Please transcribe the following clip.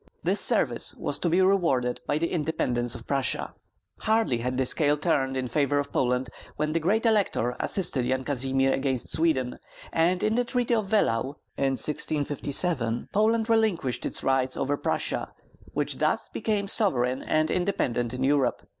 This service was to be rewarded by the independence of Prussia. Hardly had the scale turned in favor of Poland when the Great Elector assisted Yan Kazimir against Sweden; and in the treaty of Wehlau (1657) Poland relinquished its rights over Prussia, which thus became sovereign and independent in Europe.